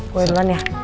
gue duluan ya